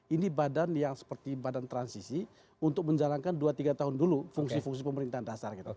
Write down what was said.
ini badan yang seperti badan transisi untuk menjalankan dua tiga tahun dulu fungsi fungsi pemerintahan dasar